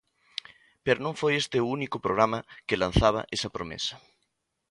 Pero non foi este o "único" programa que lanzaba esa promesa.